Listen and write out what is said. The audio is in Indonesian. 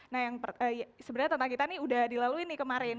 nah yang sebenarnya tentang kita nih udah dilalui nih kemarin